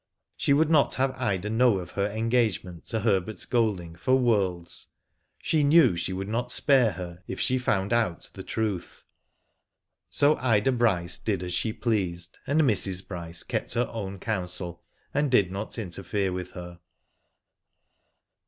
She would not have Ida know of her engage ment to Herbert Golding for worlds. She knew she would not spare her if she found out the truth. Digitized byGoogk 192 IV//0 DID ITf So Ida Bryce did as she pleased, and Mrs. Bryce kept her own counsel, and did not inter fere with her.